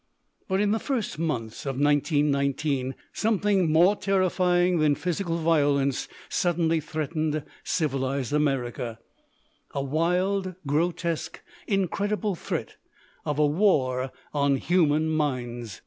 But in the first months of 1919 something more terrifying than physical violence suddenly threatened civilised America,—a wild, grotesque, incredible threat of a war on human minds!